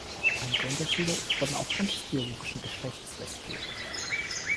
Einige Unterschiede wurden aufgrund des biologischen Geschlechts festgestellt.